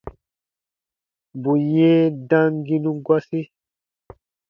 Bù yɛ̃ɛ damginu gɔsi.